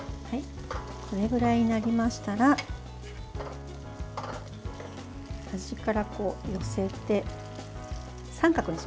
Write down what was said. これぐらいになりましたら端から寄せて三角にします。